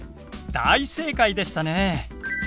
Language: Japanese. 大正解でしたね。